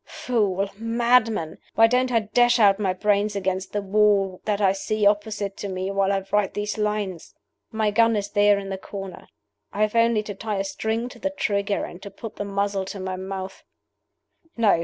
"Fool! madman! Why don't I dash out my brains against the wall that I see opposite to me while I write these lines? "My gun is there in the corner. I have only to tie a string to the trigger and to put the muzzle to my mouth No!